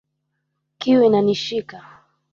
Kiu innishika